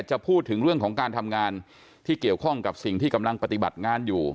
จะพูดถึงเรื่องของการทำงานที่เกี่ยวข้องกับสิ่งที่กำลังปฏิบัติงานอยู่